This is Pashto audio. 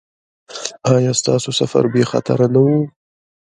ایا ستاسو سفر بې خطره نه و؟